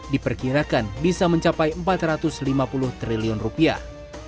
diperkirakan bisa mencapai empat ratus lima puluh triliun rupiah